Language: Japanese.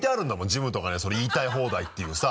ジムとかに「言いたい放題」っていうさ。